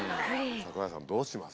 櫻井さんどうします